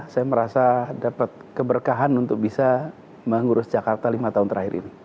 saya merasa dapat keberkahan untuk bisa mengurus jakarta lima tahun terakhir ini